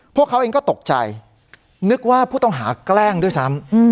พวกเขาเองก็ตกใจนึกว่าผู้ต้องหาแกล้งด้วยซ้ำ